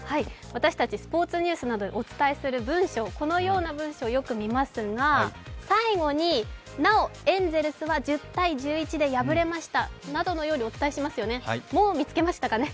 私たちスポーツニュースなどでお伝えする文章このような文章をよく見ますが最後になお、エンゼルスは１０−１１で敗れましたなどのようにお伝えしますよね、もう見つけましたかね。